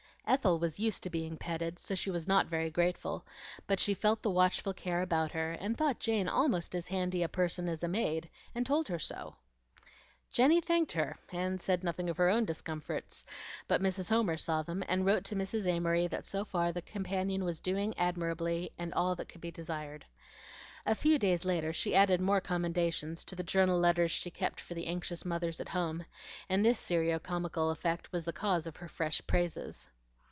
Ethel was used to being petted, so she was not very grateful; but she felt the watchful care about her, and thought Jane almost as handy a person as a maid, and told her so. Jenny thanked her and said nothing of her own discomforts; but Mrs. Homer saw them, and wrote to Mrs. Amory that so far the companion was doing admirably and all that could be desired. A few days later she added more commendations to the journal letters she kept for the anxious mothers at home, and this serio comical event was the cause of her fresh praises.